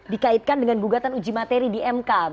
dikaitkan dengan gugatan uji materi di mk